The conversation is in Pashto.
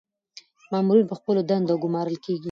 مامورین په خپلو دندو ګمارل کیږي.